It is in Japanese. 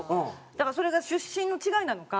だからそれが出身の違いなのか。